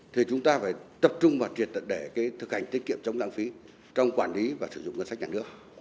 thì chúng ta phải tập trung vào triệt tận để thực hành tiết kiệm chống lãng phí trong quản lý và sử dụng ngân sách nhà nước